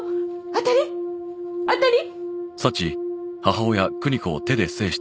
当たり？当たり？